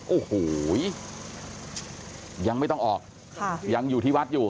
โอ้โหยังไม่ต้องออกค่ะยังอยู่ที่วัดอยู่